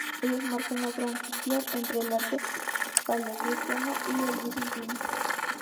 Ellos marcan la transición entre el arte paleocristiano y el bizantino.